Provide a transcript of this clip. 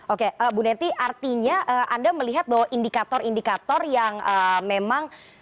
oke bu neti artinya anda melihat bahwa indikator indikator yang memang